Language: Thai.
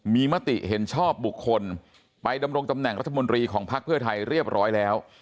มีมติเห็นชอบบุคคลไปดำรงตำแหน่งรัฐมนตรีของภักดิ์เพื่อไทยเรียบร้อยแล้ว